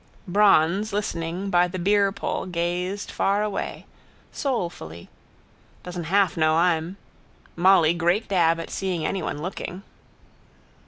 Bronze, listening, by the beerpull gazed far away. Soulfully. Doesn't half know I'm. Molly great dab at seeing anyone looking.